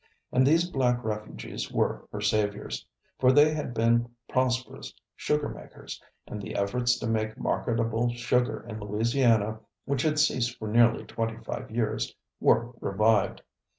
And these black refugees were her saviors. For they had been prosperous sugar makers, and the efforts to make marketable sugar in Louisiana, which had ceased for nearly twenty five years, were revived.